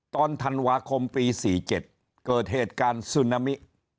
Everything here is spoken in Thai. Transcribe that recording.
ตอนธันวาคมปี๔๗เกิดเหตุการณ์ซึนามิ